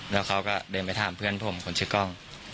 แล้วเขาก็เดินไปถามเพื่อนผมคนชื่อกล้อง